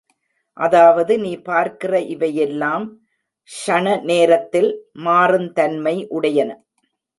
அதாவது நீ பார்க்கிற இவையெல்லாம் க்ஷண நேரத்தில் மாறுந்தன்மை உடையன.